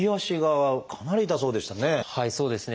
はいそうですね。